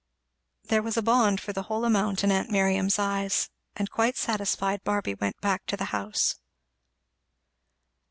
There was a bond for the whole amount in aunt Miriam's eyes; and quite satisfied, Barby went back to the house.